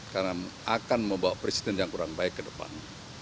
karena akan membawa presiden yang kurang baik ke depan